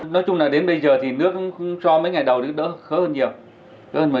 nói chung là đến bây giờ thì nước không so mấy ngày đầu thì đỡ khớ hơn nhiều